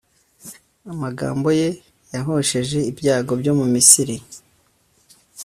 amagambo ye yahosheje ibyago byo mu misiri